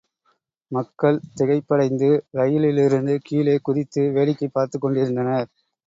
மக்கள் திகைப்படைந்து ரயிலிலிருந்து கீழே குதித்து வேடிக்கை பார்த்துக் கொண்டிருந்தனர்.